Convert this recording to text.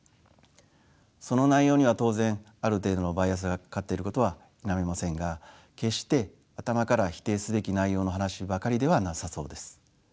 その内容には当然ある程度のバイアスがかかっていることは否めませんが決して頭から否定すべき内容の話ばかりではなさそうです。